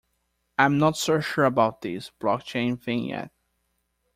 I'm not so sure about this block chain thing yet.